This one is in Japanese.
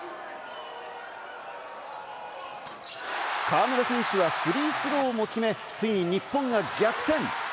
河村選手はフリースローも決め、ついに日本が逆転。